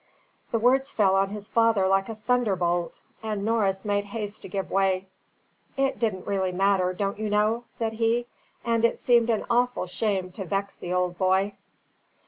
The words fell on his father like a thunderbolt, and Norris made haste to give way. "It didn't really matter, don't you know?" said he. "And it seemed an awful shame to vex the old boy."